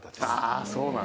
ああそうなんだ。